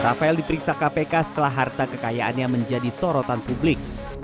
rafael diperiksa kpk setelah harta kekayaannya menjadi sorotan publik